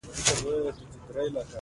هېڅوک هم پر هغه باندې.